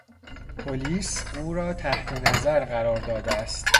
پلیس او را تحت نظر قرار داده است.